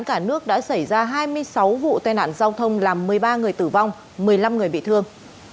cả nước đã xảy ra hai mươi sáu vụ tai nạn giao thông làm một mươi ba người tử vong một mươi năm người bị thương